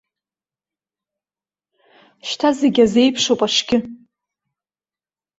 Шьҭа зегьы азеиԥшуп аҽгьы.